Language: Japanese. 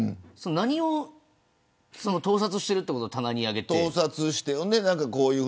何を盗撮していることを棚に上げて。